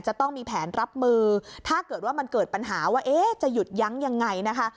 จะต้องมีแผนรับมือถ้าเกิดว่ามันเกิดปัญหาว่าเอ๊ะจะหยุดยั้งยังไงนะคะ